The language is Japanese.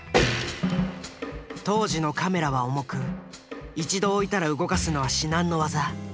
当時のカメラは重く一度置いたら動かすのは至難の業。